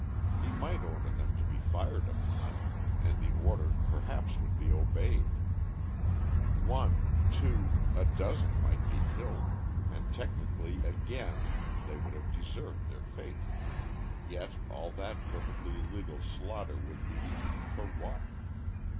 He might order them to be fired upon, and the order perhaps would be obeyed. One, two, a dozen might be killed, and technically again they would have deserved their fate; yet all that perfectly legal slaughter would be for what?